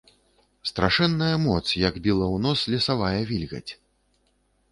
Страшэнная моц, як біла ў нос лесавая вільгаць.